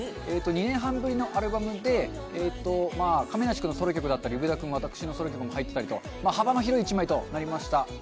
２年半ぶりのアルバムで亀梨君のソロ曲だったり、上田君、私のソロ曲が入っていたり幅の広い一枚となりました。